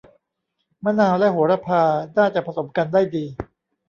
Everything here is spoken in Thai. มะนาวและโหระพาน่าจะผสมกันได้ดี